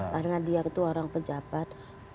karena dia itu orang pejabat